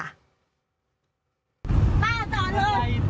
ป้าจอดเลย